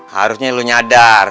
harusnya lo nyadar